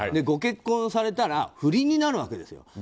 ご結婚されたら不倫になるわけですよ。